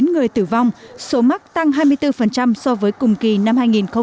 một mươi chín người tử vong số mắc tăng hai mươi bốn so với cùng kỳ năm hai nghìn một mươi sáu